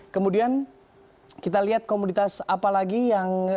kemudian kita lihat komoditas apa lagi yang menurut anda